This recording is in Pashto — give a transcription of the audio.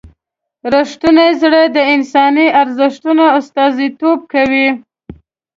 رښتونی زړه د انساني ارزښتونو استازیتوب کوي.